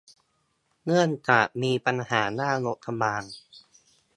เนื่องจากมีปัญหาด้านงบประมาณ